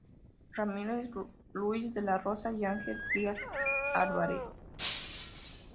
Ramírez; Luis de la Rosa y Ángel Trías Álvarez.